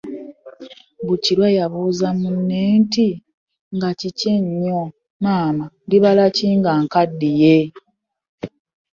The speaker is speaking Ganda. Bukirwa yabuuza munne nti Nga kiki ennyol Maama ndibala ki nga nkaddiye?